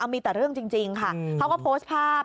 มีแต่เรื่องจริงค่ะเขาก็โพสต์ภาพ